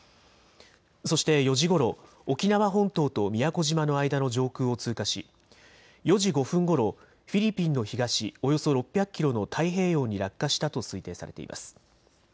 そして４時ごろ沖縄本島と宮古島の間の上空を通過し、４時５分ごろフィリピンの東およそ６００キロの太平洋に落下したと推定されています。